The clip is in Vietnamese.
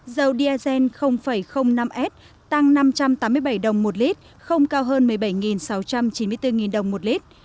dầu diazen năm s tăng năm trăm tám mươi bảy đồng một lít không cao hơn một mươi bảy sáu trăm chín mươi bốn đồng một lít